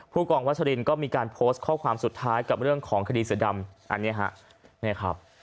กองวัชรินก็มีการโพสต์ข้อความสุดท้ายกับเรื่องของคดีเสือดำอันนี้ฮะเนี่ยครับ